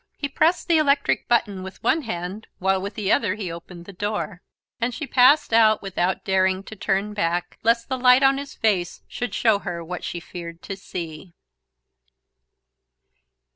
He pressed the electric button with one hand while with the other he opened the door; and she passed out without daring to turn back, lest the light on his face should show her what she feared to see.